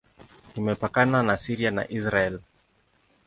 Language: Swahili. Imepakana na Syria na Israel.